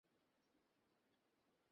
হ্যাঁ, আমার কাছে আছে।